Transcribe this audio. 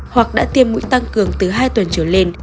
hoặc đã tiêm mũi tăng cường từ hai tuần trở lên